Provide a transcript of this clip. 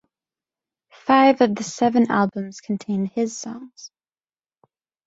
Five of the seven albums contain his songs.